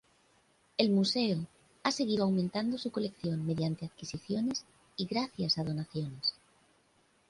El museo ha seguido aumentando su colección mediante adquisiciones y gracias a donaciones.